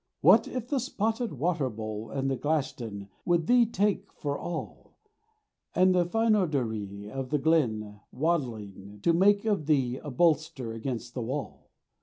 What if the spotted water bull, And the Glashtan would thee take, for all And the Fynoderee of the glen, waddling, To make of thee a bolster against the wall.